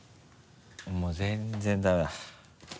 もう全然ダメだ。